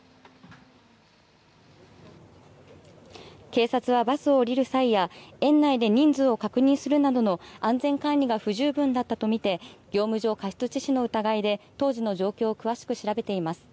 警察はバスを降りる際や園内で人数を確認するなどの安全管理が不十分だったと見て業務上過失致死の疑いで当時の状況を詳しく調べています。